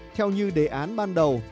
theo như đề án ban đầu